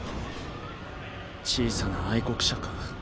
小さな愛国者か。